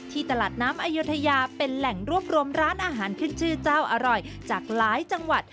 ตลาดน้ำอยุธยาเป็นแหล่งรวบรวมร้านอาหารขึ้นชื่อเจ้าอร่อยจากหลายจังหวัด